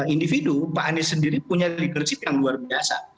individu pak anies sendiri punya leadership yang luar biasa